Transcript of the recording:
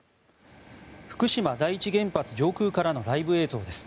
福島第一原発上空からのライブ映像です。